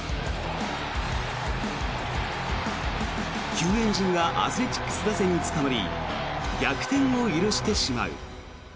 救援陣がアスレチックス打線につかまり逆転を許してしまう。